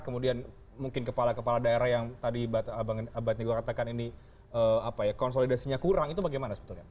kemudian mungkin kepala kepala daerah yang tadi bang abad nego katakan ini konsolidasinya kurang itu bagaimana sebetulnya